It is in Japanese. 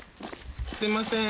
すいません。